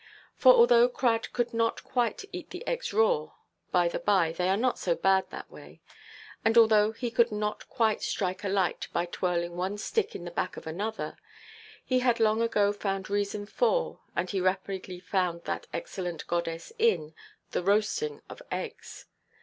For, although Crad could not quite eat the eggs raw (by–the–by, they are not so bad that way), and although he could not quite strike a light by twirling one stick in the back of another, he had long ago found reason for, and he rapidly found that excellent goddess in, the roasting of eggs.